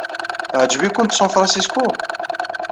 Teɛjeb-ikent San Francisco?